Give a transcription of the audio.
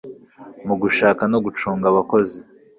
mu gushaka no gucunga abakozi